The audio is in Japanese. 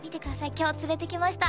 今日連れてきました